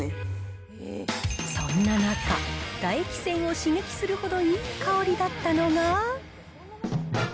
そんな中、唾液腺を刺激するほどいい香りだったのが。